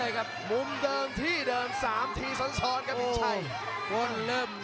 แชลเบียนชาวเล็ก